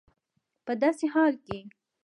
په داسي حال کي